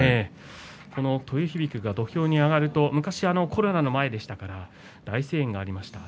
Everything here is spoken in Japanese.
豊響が土俵に上がると昔、コロナの前でしたけども大声援がありました。